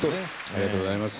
ありがとうございます。